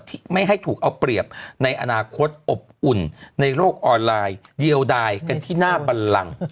ที่ไม่ให้ถูกเอาเปรียบในอนาคตอบอุ่นในโลกออนไลน์เดียวดายกันที่หน้าบันลัง